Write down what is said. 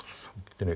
でね